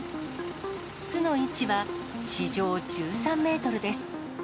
巣の位置は、地上１３メートルです。